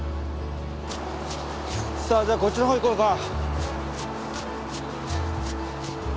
さあじゃあこっちの方行こうか。